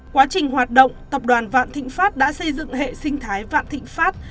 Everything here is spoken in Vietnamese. quá trình hoạt động tập đoàn vạn thị phát đã xây dựng hệ sinh thái vạn thị phát